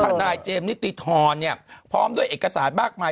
ทนายเจมส์นิติธรณ์พร้อมด้วยเอกสารบ้างหมาย